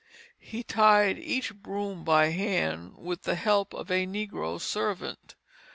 He tied each broom by hand, with the help of a negro servant.